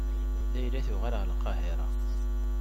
Layla tuɣal ɣer Lqahiṛa.